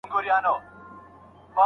د ځمکې جاذبه انسان ټينګ نيسي.